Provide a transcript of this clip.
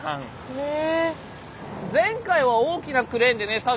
へえ。